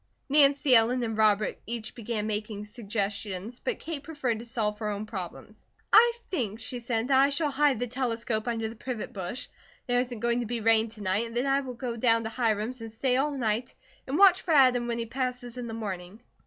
Nancy Ellen and Robert each began making suggestions, but Kate preferred to solve her own problems. "I think," she said, "that I shall hide the telescope under the privet bush, there isn't going to be rain to night; and then I will go down to Hiram's and stay all night and watch for Adam when he passes in the morning.